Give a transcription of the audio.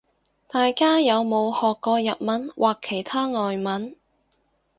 大家有冇學過日文或其他外文